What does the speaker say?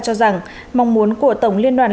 cho rằng mong muốn của tổng liên đoàn